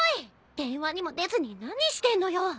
電話にも出ずに何してんのよ。